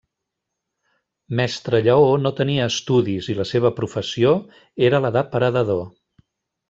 Mestre Lleó no tenia estudis i la seva professió era la de paredador.